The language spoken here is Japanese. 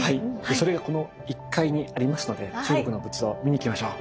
それがこの１階にありますので中国の仏像見に行きましょう。